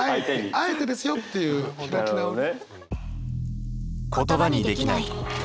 あえてですよっていう開き直り。